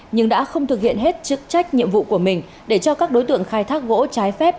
nhưng đã không thực hiện hết chức trách nhiệm vụ của mình để cho các đối tượng khai thác gỗ trái phép